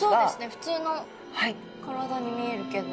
ふつうの体に見えるけど。